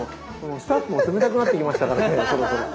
スタッフも冷たくなってきましたからねそろそろ。